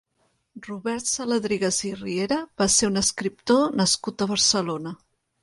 Robert Saladrigas i Riera va ser un escriptor nascut a Barcelona.